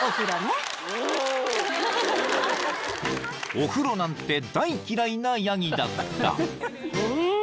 ［お風呂なんて大嫌いなヤギだった］